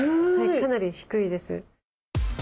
かなり低いです。